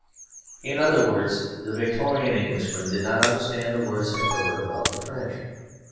In other words, the Victorian Englishman did not understand the words "Emperor of the French."